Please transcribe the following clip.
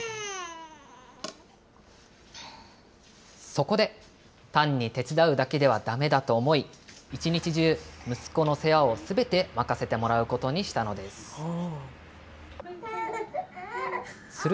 そこで、単に手伝うだけではだめだと思い、一日中、息子の世話をすべて任せてもらうことにしたのです。